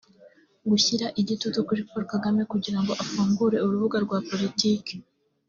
Gushyira igitutu kuri Paul Kagame kugira ngo afungure urubuga rwa politiki